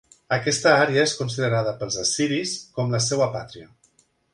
Aquesta àrea es considerada pels assiris com la seva 'pàtria'.